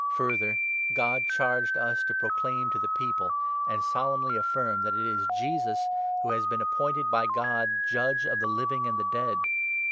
Further, God charged us to proclaim to 42 the people, and solemnly affirm, that it is Jesus who has been appointed by God Judge of the living and the dead.